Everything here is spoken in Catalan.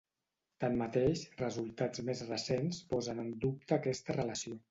Tanmateix, resultats més recents posen en dubte aquesta relació.